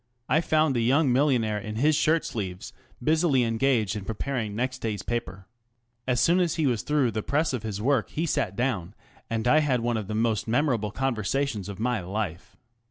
I found the young millionaire in his shirt sleeves busily engaged in pre 332 The Review of Reviews. paring next day's paper. As soon as he was through the press of his work he sat down, and I had one of the most memorable conversations of my life.